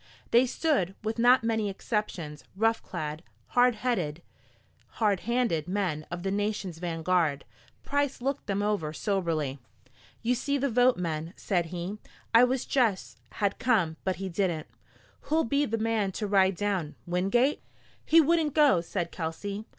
They stood, with not many exceptions rough clad, hard headed, hard handed men of the nation's vanguard. Price looked them over soberly. "You see the vote, men," said he. "I wish Jess had come, but he didn't. Who'll be the man to ride down? Wingate?" "He wouldn't go," said Kelsey.